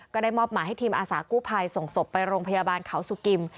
ก็ได้มอบหมายให้ทีมอาสากู้ภัยส่งศพไปโรงพยาบาลเขาสุกิม